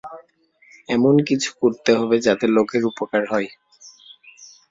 এমন কিছু করতে হবে যাতে লোকের উপকার হয়।